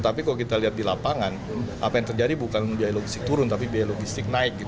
tapi kalau kita lihat di lapangan apa yang terjadi bukan biaya logistik turun tapi biaya logistik naik